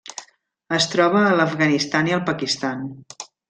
Es troba a l'Afganistan i al Pakistan.